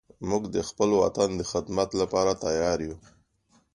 موږ د خپل وطن د خدمت لپاره تیار یو